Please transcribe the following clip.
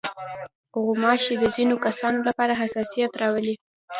غوماشې د ځينو کسانو لپاره حساسیت راولي.